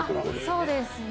あっ、そうですね。